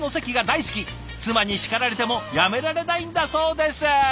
妻に叱られてもやめられないんだそうです！